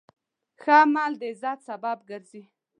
ښه عمل د عزت سبب ګرځي.